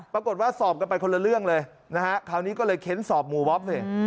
ปรากฏว่าสอบกันไปคนละเรื่องเลยคราวนี้ก็เลยเข้นสอบหมู่บ๊อบ